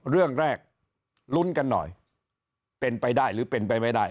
เรื่องแรกลุ้นกันหน่อยเป็นไปได้หรือเป็นไปไม่ได้